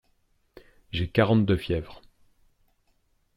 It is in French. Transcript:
J'ai quarante de fièvre.